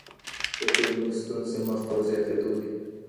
د ټولني ستونزي مخ په زیاتېدو دي.